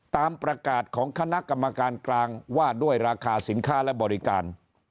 ตามประกาศของคณะกรรมการกลางว่าด้วยราคาสินค้าและบริการ